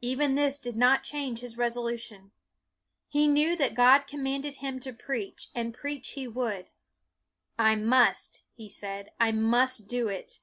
Even this did not change his resolu tion. He knew that God commanded him to preach, and preach he would. " I must," he said, " I must do it."